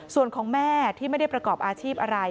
ส่วนของแม่ที่ไม่ได้ประกอบอาชีพอะไร